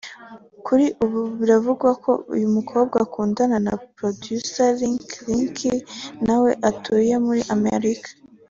Kuri ubu biravugwa ko uyu mukobwa akundana na Producer Lick Lick na we utuye muri Amerika